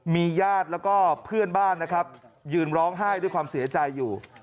มีญาติแล้วก็เพื่อนบ้านนะครับยืนร้องไห้ด้วยความเสียใจอยู่